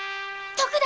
徳田？